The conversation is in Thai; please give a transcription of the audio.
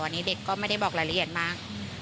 อันนี้เด็กก็ไม่ได้บอกรายละเอียดมาก